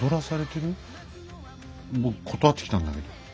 僕断ってきたんだけど。